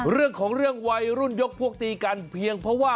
เรื่องของเรื่องวัยรุ่นยกพวกตีกันเพียงเพราะว่า